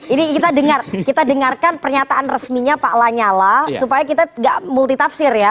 ini kita dengarkan pernyataan resminya pak lanyala supaya kita gak multi tafsir ya